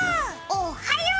おっはよう！